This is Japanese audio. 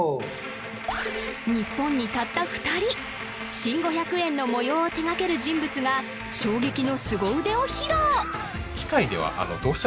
日本にたった２人新５００円の模様を手がける人物が衝撃のスゴ腕を披露！